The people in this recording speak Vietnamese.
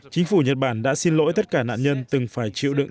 chính phủ nhật bản đã xin lỗi tất cả nạn nhân từng phải chịu đựng